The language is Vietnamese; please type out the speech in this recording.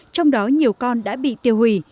trong đó nhiều con đã bị tiêu hủy